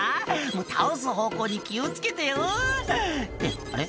もう倒す方向に気を付けてよってあれ？